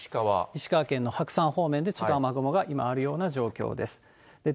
石川県の白山方面でちょっと雨雲が今、あるような状況です。